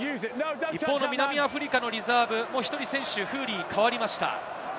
南アフリカのリザーブ１人選手、フーリーが代わりました。